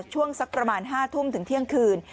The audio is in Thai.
ช่วงสักประมาณ๕ทุ่มถึงเที่ยงคืน